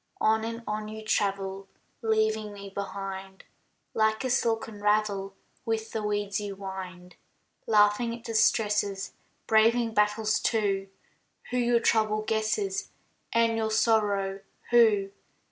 On and on you travel, Leaving me behind, Like a silken ravel With the weeds you wind. Laughing at distresses; Braving battles, too; Who your trouble guesses, And your sorrow who?